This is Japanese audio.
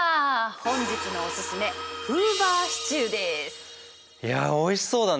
本日のオススメいやおいしそうだね！